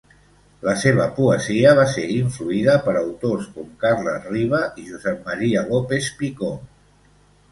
La seva poesia va ser influïda per autors com Carles Riba i Josep Maria López-Picó.